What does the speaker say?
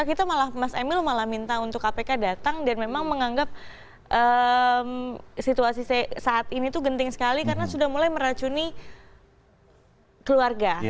kita malah mas emil malah minta untuk kpk datang dan memang menganggap situasi saat ini tuh genting sekali karena sudah mulai meracuni keluarga